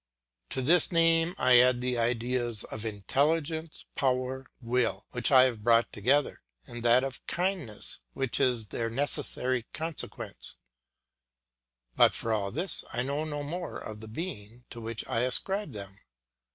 To this name I add the ideas of intelligence, power, will, which I have brought together, and that of kindness which is their necessary consequence; but for all this I know no more of the being to which I ascribe them.